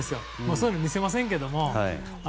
そういうのは見せませんけど。